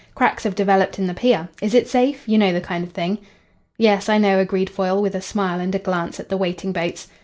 Cracks have developed in the pier. Is it safe? You know the kind of thing." "Yes, I know," agreed Foyle, with a smile and a glance at the waiting boats.